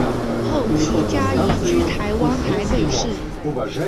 后其家移居台湾台北市。